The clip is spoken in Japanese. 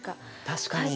確かに。